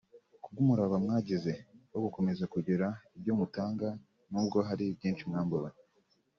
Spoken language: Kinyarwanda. ” kubw’umurava mwagize wo gukomeza kugira ibyo mutanga n’ubwo hari byinshi mwambuwe